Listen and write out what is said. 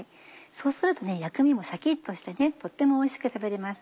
そうすると薬味もシャキっとしてとってもおいしく食べれます。